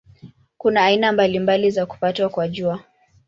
Kuna aina mbalimbali za kupatwa kwa Jua.